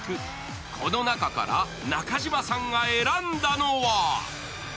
この中から中島さんが選んだのは？